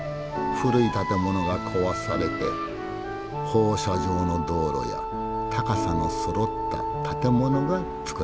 古い建物が壊されて放射状の道路や高さのそろった建物が造られた。